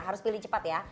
harus pilih cepat ya